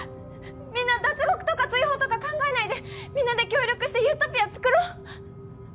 みんな脱獄とか追放とか考えないでみんなで協力してユートピア作ろう？